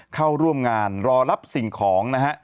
เข้าร่วมงานรอรับสิ่งของนะฮะ